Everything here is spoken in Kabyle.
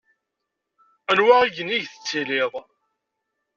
Aniwa igenni ideg i tettiliḍ?